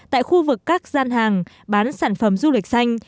tại khu vực các gian hàng bán sản phẩm du lịch xanh